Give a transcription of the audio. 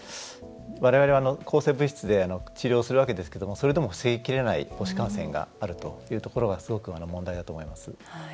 我々は抗生物質で治療するわけですけどもそれでも防ぎきれない母子感染があるというところがすごく問題だと思います。